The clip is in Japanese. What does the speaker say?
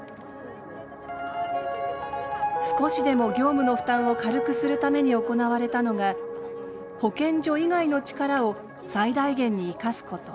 少しでも業務の負担を軽くするために行われたのが保健所以外の力を最大限に生かすこと。